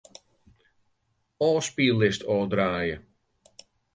Ofspyllist ôfdraaie.